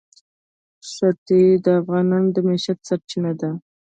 ښتې د افغانانو د معیشت سرچینه ده.